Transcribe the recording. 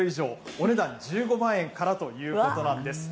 お値段１５万円からということなんです。